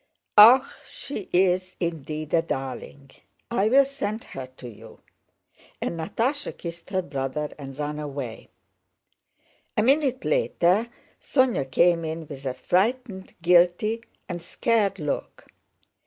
"Ah, she is indeed a darling! I'll send her to you." And Natásha kissed her brother and ran away. A minute later Sónya came in with a frightened, guilty, and scared look.